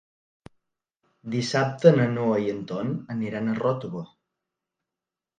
Dissabte na Noa i en Ton aniran a Ròtova.